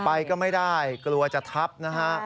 ไปก็ไม่ได้กลัวจะทับนะฮะ